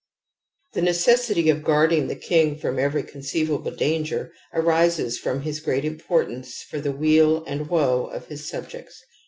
• The necessity of guarding the king from every conceivable danger arises from his great impor tance for the weal and woe of his subjects.